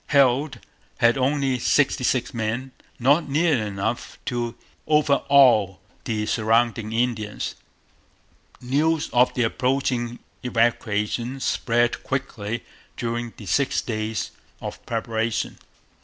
Heald had only sixty six men, not nearly enough to overawe the surrounding Indians. News of the approaching evacuation spread quickly during the six days of preparation.